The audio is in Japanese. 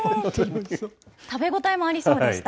食べ応えもありそうでした。